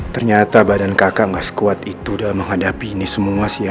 ternyata badan kakak gak sekuat itu dalam menghadapi ini semua sih ya